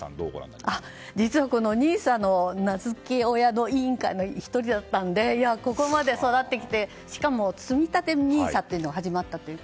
実はＮＩＳＡの名付け親の委員会の１人だったのでここまで育ってきて、しかもつみたてＮＩＳＡというのが始まったという。